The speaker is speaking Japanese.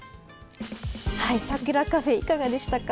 桜カフェ、いかがでしたか。